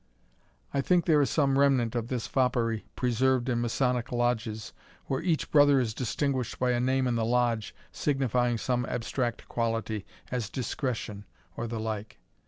I think there is some remnant of this foppery preserved in masonic lodges, where each brother is distinguished by a name in the Lodge, signifying some abstract quality as Discretion, or the like.